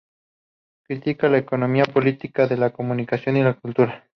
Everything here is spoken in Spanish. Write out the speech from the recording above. Crítica de la economía política de la comunicación y la cultura.